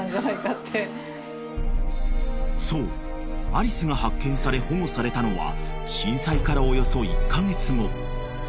［そうアリスが発見され保護されたのは震災からおよそ１カ月後］